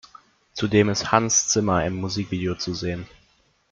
Zudem ist Hans Zimmer im Musikvideo zu sehen.